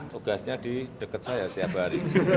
tugasnya di dekat saya tiap hari